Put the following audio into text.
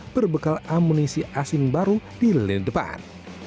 berbekal amunisi asing baru di lini depan